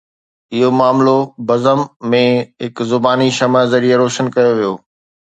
اهو معاملو بزم ۾ هڪ زباني شمع ذريعي روشن ڪيو ويو